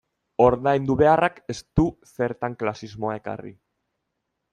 Ordaindu beharrak ez du zertan klasismoa ekarri.